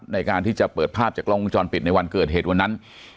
ในการที่จะเปิดภาพจากกล้องวงจรปิดในวันเกิดเหตุวันนั้น